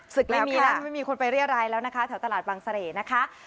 สึกแล้วค่ะไม่มีคนไปเรียบร้ายแล้วนะคะแถวตลาดบังเสร่นะคะ